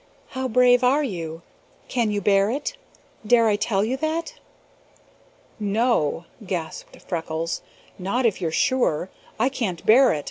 "How brave are you? Can you bear it? Dare I tell you that?" "No!" gasped Freckles. "Not if you're sure! I can't bear it!